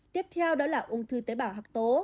tiếp theo đó là ung thư tế bảo hạc tố